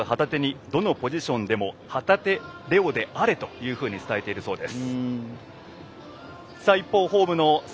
鬼木徹監督は旗手にどのポジションでも旗手怜央であれというふうに伝えているそうです。